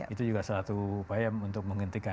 itu juga satu upaya untuk menghentikan